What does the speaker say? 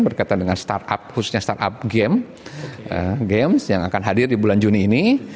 berkaitan dengan startup khususnya startup game games yang akan hadir di bulan juni ini